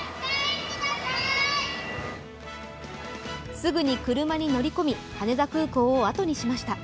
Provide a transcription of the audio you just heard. すぐに車に乗り込み、羽田空港を後にしました。